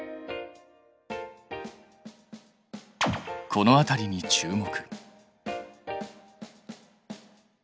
この辺りに注目。